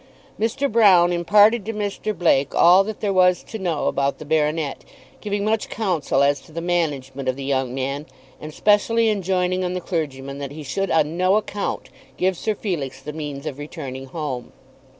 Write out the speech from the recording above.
Mr. Broune imparted to Mr. Blake all that there was to know about the baronet, giving much counsel as to the management of the young man, and specially enjoining on the clergyman that he should on no account give Sir Felix the means of returning home.